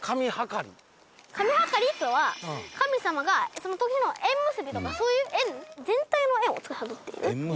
神議りとは神様がその時の縁結びとかそういう縁全体の縁を司っている。